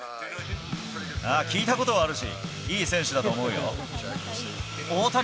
聞いたことはあるし、いい選手だと思うよ。